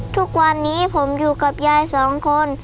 ทุกวันนี้ผมอยู่กับยายสองคน